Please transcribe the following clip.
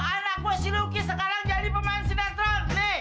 anak gue si luki sekarang jadi pemain sinetron